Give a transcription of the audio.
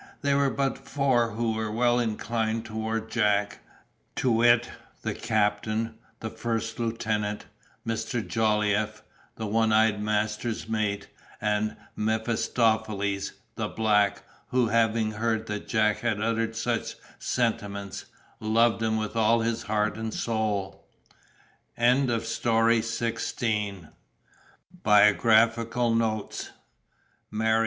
There were but four who were well inclined toward Jack—to wit, the captain, the first lieutenant, Mr. Jolliffe, the one eyed master's mate, and Mephistopheles, the black, who, having heard that Jack had uttered such sentiments, loved him with all his heart and soul. THE CLUB HAULING OF THE DIOMEDE (From Peter Simple.)